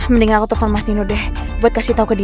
mendingan aku telepon mas dino deh buat kasih tau ke dia